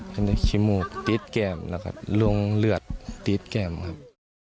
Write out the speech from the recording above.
เป็นเด็กขี้หมูติ๊ดแก่มแล้วก็ลงเลือดติ๊ดแก่มครับ